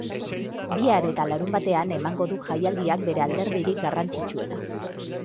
Bihar eta larunbatean emango du jaialdiak bere alderdirik garrantzitsuena.